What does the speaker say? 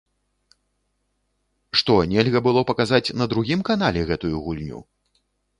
Што, нельга было паказаць на другім канале гэтую гульню?